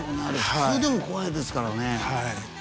あれ普通でも怖いですからね。